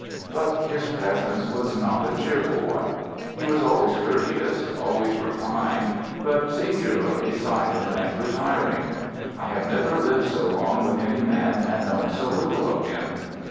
But his presence was not a cheerful one. He was always courteous, always refined, but singularly silent and retiring. I have never lived so long with any man and known so little of him.